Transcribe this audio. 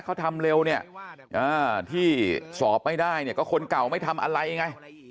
เขาทำเร็วเนี่ยที่สอบไม่ได้เนี่ยก็คนเก่าไม่ทำอะไรไง